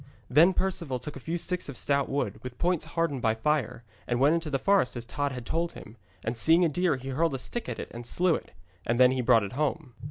Then Perceval took a few sticks of stout wood, with points hardened by fire, and went into the forest as Tod had told him, and seeing a deer he hurled a stick at it and slew it. And then he brought it home.